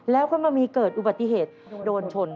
แล้วก็มามีเกิดอุบัติเหตุโดนชน